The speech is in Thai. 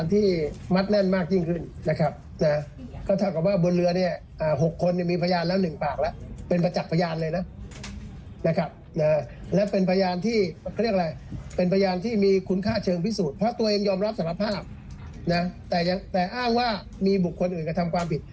ตัวเองยอมรับสารภาพแต่อ้างว่ามีบุคคนอื่นกระทำความผิด